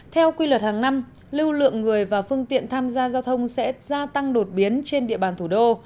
theo quy luật hàng năm lưu lượng người và phương tiện tham gia giao thông sẽ gia tăng đột biến trên địa bàn thủ đô